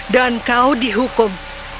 dan kau dihukum